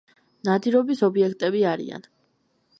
ნადირობის ობიექტები არიან.